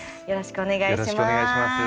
よろしくお願いします。